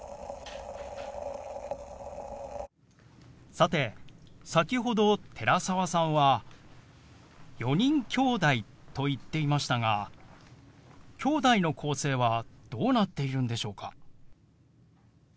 さて先ほど寺澤さんは「４人きょうだい」と言っていましたがきょうだいの構成はどうなっているんでしょうか？